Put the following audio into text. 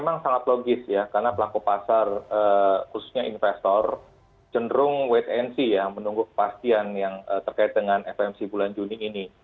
memang sangat logis ya karena pelangkau pasar khususnya investor cenderung wait and see ya menunggu kepastian yang terkait dengan fmc bulan juni ini